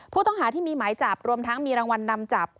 ผู้ต้องหาที่มีหมายจับรวมทั้งมีรางวัลนำจับ